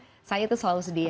cuman saya itu selalu sedia